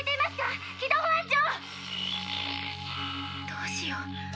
どうしよう。